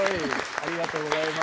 ありがとうございます。